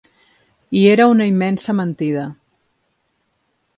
I era una immensa mentida.